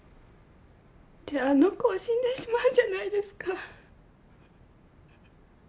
じゃああの子は死んでしまうじゃないですか。